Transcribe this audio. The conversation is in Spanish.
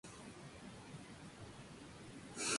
La sesión de venta deriva en una fiesta de música y baile.